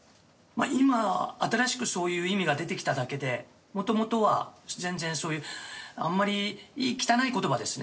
今新しくそういう意味が出てきただけでもともとは全然そういうあんまりいい汚い言葉ですね。